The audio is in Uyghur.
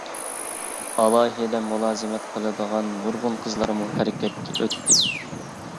ئالاھىدە مۇلازىمەت قىلىدىغان نۇرغۇن قىزلارمۇ ھەرىكەتكە ئۆتتى.